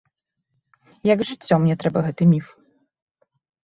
Як жыццё, мне трэба гэты міф.